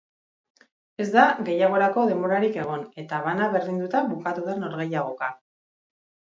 Ez da gehiagorako denborarik egon, eta bana berdinduta bukatu da norgehiagoka.